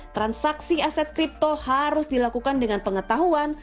transaksi aset kripto harus dilakukan dengan pengetahuan